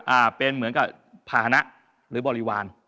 อ่าเป็นเหมือนกับภาษณะหรือบริวาร